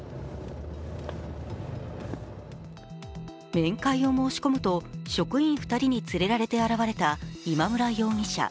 面会を申し込むと職員２人に連れられて現れた今村容疑者。